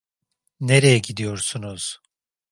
Nereye gidiyorsunuz?